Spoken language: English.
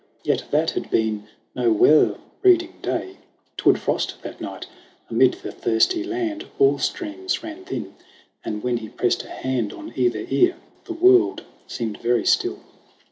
Yet that had been no weather breeding day; 'Twould frost that night; amid the thirsty land All streams ran thin ; and when he pressed a hand On either ear, the world seemed very still.